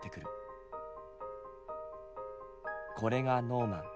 これがノーマン。